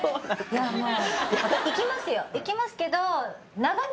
行きますけど。